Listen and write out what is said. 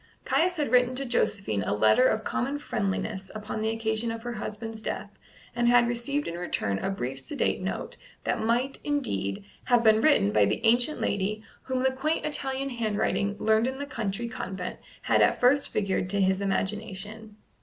Caius had written to Josephine a letter of common friendliness upon the occasion of her husband's death, and had received in return a brief sedate note that might, indeed, have been written by the ancient lady whom the quaint Italian handwriting learned in the country convent had at first figured to his imagination.